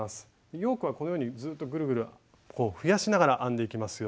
ヨークはこのようにずっとグルグル増やしながら編んでいきますよ。